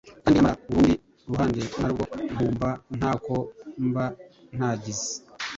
kandi nyamara urundi ruhande narwo nkumva ntako mba ntagize